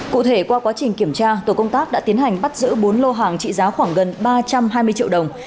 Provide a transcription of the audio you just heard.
cụ thể qua quá trình kiểm tra tổ công tác đã tiến hành bắt giữ bốn lô hàng trị giá khoảng gần ba trăm hai mươi triệu đồng